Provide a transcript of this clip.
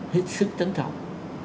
hết sức tấn trọng